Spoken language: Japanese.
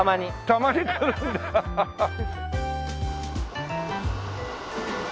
たまに来るんだアハハッ。